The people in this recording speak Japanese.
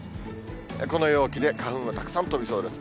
この陽気で花粉もたくさん飛びそうです。